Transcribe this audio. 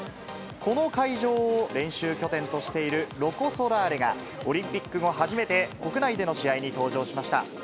この会場を練習拠点としているロコ・ソラーレが、オリンピック後初めて、国内での試合に登場しました。